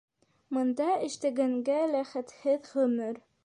Мында эштәгәнгә лә хәтһеҙ ғөмөр.